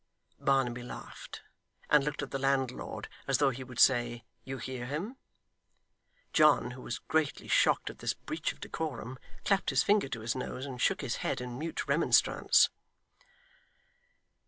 Barnaby laughed, and looked at the landlord as though he would say, 'You hear him?' John, who was greatly shocked at this breach of decorum, clapped his finger to his nose, and shook his head in mute remonstrance.